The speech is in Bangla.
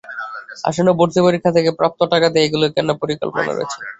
আসন্ন ভর্তি পরীক্ষা থেকে প্রাপ্ত টাকা দিয়েই এগুলো কেনার পরিকল্পনা রয়েছে।